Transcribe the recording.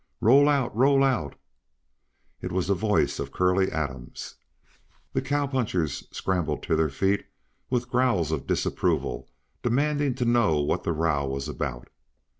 "Roll out! Roll out!" It was the voice of Curley Adams. The cowpunchers scrambled to their feet with growls of disapproval, demanding to know what the row was about.